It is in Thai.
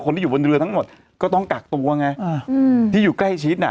ที่อยู่บนเรือทั้งหมดก็ต้องกักตัวไงอ่าอืมที่อยู่ใกล้ชิดอ่ะ